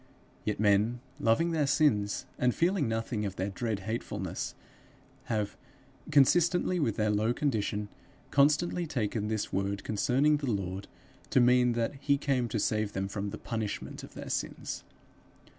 Yet men, loving their sins, and feeling nothing of their dread hatefulness, have, consistently with their low condition, constantly taken this word concerning the Lord to mean that he came to save them from the punishment of their sins.